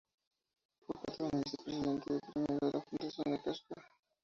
Fue patrón y vicepresidente primero de la Fundación La Caixa.